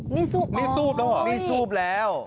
นี่ซูบอ๋อนี่ซูบแล้ว